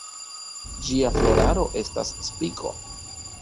Ĝia floraro estas spiko.